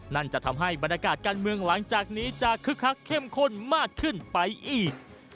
จะทำให้บรรยากาศการเมืองหลังจากนี้จะคึกคักเข้มข้นมากขึ้นไปอีก